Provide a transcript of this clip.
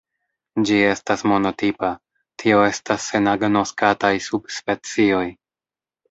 Ĝi estas monotipa, tio estas sen agnoskataj subspecioj.